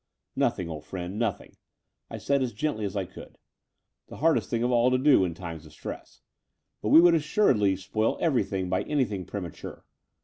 "Nothing, old friend, nothing," I said as gently as I could —the hardest thing of all to do in times of stress; but we would assuredly spoil everything by anything premature.